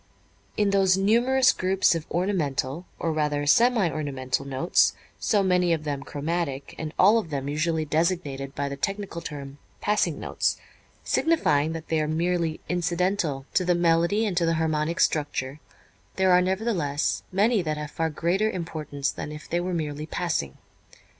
In those numerous groups of ornamental, or rather semi ornamental, notes, so many of them chromatic, and all of them usually designated by the technical term "passing notes," signifying that they are merely incidental to the melody and to the harmonic structure, there are nevertheless many that have far greater importance than if they were merely "passing."